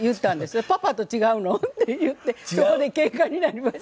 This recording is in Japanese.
「パパと違うのん？」って言ってそこで喧嘩になりました。